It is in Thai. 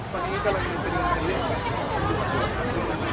ตอนนี้กำลังเป็นรุ่นสรุป